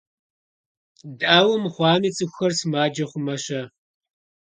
Дауэ мыхъуами цӀыхур сымаджэ хъумэ-щэ?